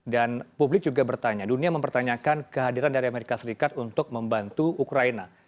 dan publik juga bertanya dunia mempertanyakan kehadiran dari amerika serikat untuk membantu ukraina